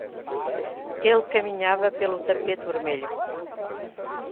Ele caminhava pelo tapete vermelho.